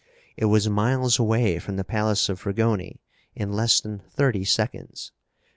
It was miles away from the palace of Fragoni in less than thirty seconds.